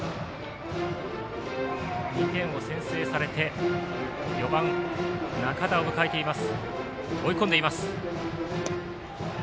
２点を先制されて４番仲田を迎えています。